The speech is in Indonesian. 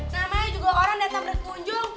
ramai juga orang datang berkunjung